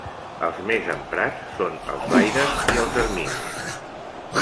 Els més emprats són els vaires i els erminis.